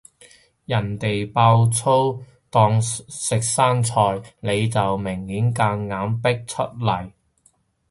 人哋爆粗當食生菜，你就明顯夾硬逼出嚟